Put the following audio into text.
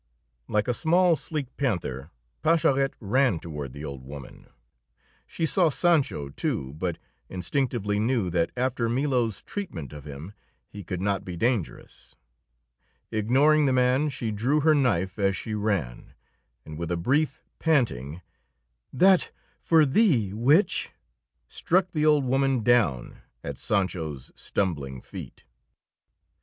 Like a small, sleek panther Pascherette ran toward the old woman; she saw Sancho, too, but instinctively knew that after Milo's treatment of him he could not be dangerous; ignoring the man, she drew her knife as she ran, and with a brief, panting, "That for thee, witch!" struck the old woman down at Sancho's stumbling feet.